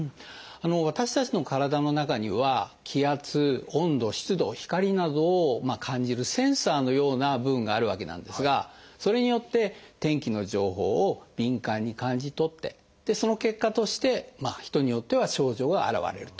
私たちの体の中には気圧温度湿度光などを感じるセンサーのような部分があるわけなんですがそれによって天気の情報を敏感に感じ取ってその結果として人によっては症状が現れると。